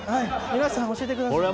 皆さん教えてえください。